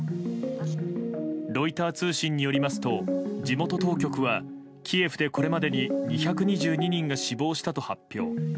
ロイター通信によりますと地元当局はキエフでこれまでに２２２人が死亡したと発表。